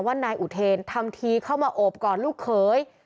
นายอุเทนทำทีเข้ามาโอบกอดลูกเขย